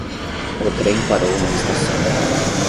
O trem parou na estação.